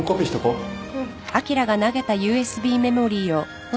うん。